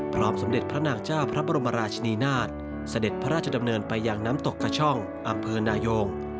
สมเด็จพระนางเจ้าพระบรมราชนีนาฏเสด็จพระราชดำเนินไปยังน้ำตกกระช่องอำเภอนายง